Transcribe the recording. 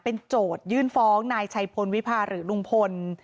เป็นโจทยื่นฟ้องนายชัยพลวิพาหรือลุงพล